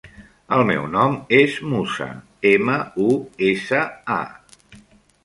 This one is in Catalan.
El meu nom és Musa: ema, u, essa, a.